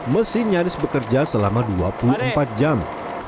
mesin nyaris bekerja selama dua puluh empat jam